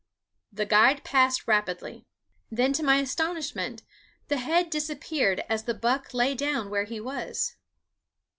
The guide passed rapidly; then to my astonishment the head disappeared as the buck lay down where he was.